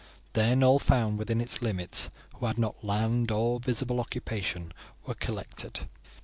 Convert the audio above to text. Then all found within its limits who had not land or visible occupation were collected.